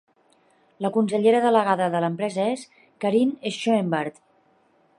La consellera delegada de l'empresa és Karyn Schoenbart.